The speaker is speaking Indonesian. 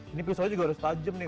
ini pisaunya juga harus tajam nih